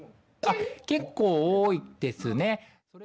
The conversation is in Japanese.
結構多いですね。